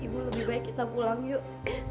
ibu lebih baik kita pulang yuk